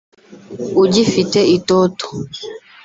ugifite itoto